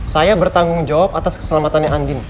saya bertanggung jawab atas keselamatannya andin